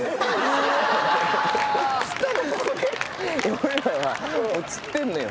俺らはもう釣ってんのよ。